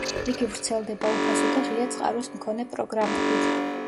იგი ვრცელდება უფასო და ღია წყაროს მქონე პროგრამებით.